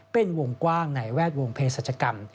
เป็นวงกว้างในแวดวงเพศรัชกรรม